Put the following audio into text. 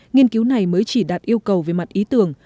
nghiên cứu này mới chỉ đạt yêu cầu về mặt ý tưởng